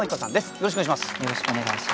よろしくお願いします。